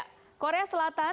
korea selatan bioskopnya sekarang